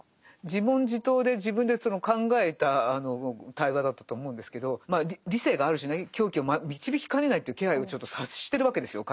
自問自答で自分でその考えた対話だったと思うんですけど理性がある種ね狂気を導きかねないという気配をちょっと察してるわけですよ